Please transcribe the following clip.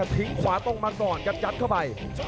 ทิ้งขวาตรงมาก่อนครับยัดเข้าไป